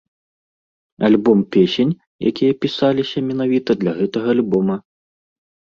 Альбом песень, якія пісаліся менавіта для гэтага альбома.